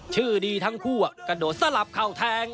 ชื่อดีทั้งคู่กระโดดสลับเข้าแทง